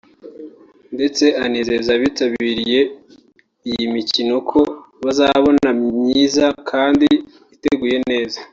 ndetse anizeza abitabiriye iyi mikino ko bazabona myiza kandi iteguye neza